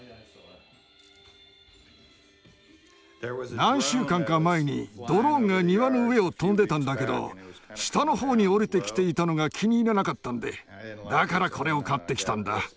何週間か前にドローンが庭の上を飛んでたんだけど下の方に降りてきていたのが気に入らなかったんでだからこれを買ってきたんだ。